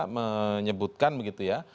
menyebutkan begitu ya